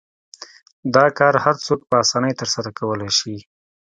دا کار هر څوک په اسانۍ سره کولای شي.